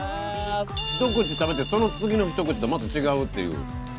ひと口食べてその次のひと口とまた違うっていう。